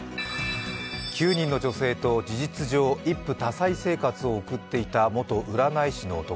９人の女性と、事実上、一夫多妻生活を送っていた、元占い師の男。